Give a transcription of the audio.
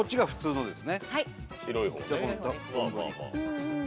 はい。